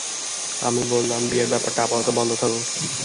আমি বললাম, বিয়ের ব্যাপারটা আপাতত বন্ধ থাকুক।